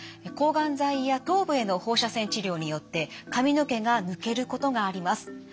抗がん剤や頭部への放射線治療によって髪の毛が抜けることがあります。